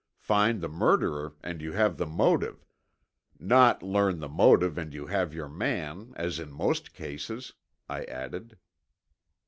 Find the murderer and you have the motive, not learn the motive and you have your man, as in most cases," I added.